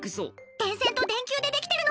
電線と電球で出来てるの。